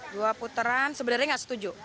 dua puteran sebenarnya nggak setuju